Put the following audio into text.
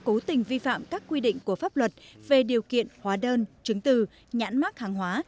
cố tình vi phạm các quy định của pháp luật về điều kiện hóa đơn chứng từ nhãn mác hàng hóa